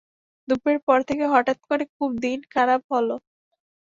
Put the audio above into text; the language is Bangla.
দুপুরের পর থেকেই হঠাৎ করে খুব দিন-খারাপ হলো।